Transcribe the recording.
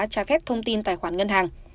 trả phép thông tin tài khoản ngân hàng